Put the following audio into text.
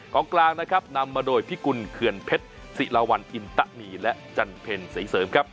กลางนะครับนำมาโดยพิกุลเขื่อนเพชรศิลาวันอินตะมีและจันเพ็ญศรีเสริมครับ